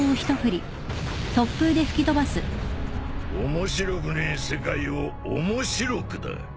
面白くねえ世界を面白くだ。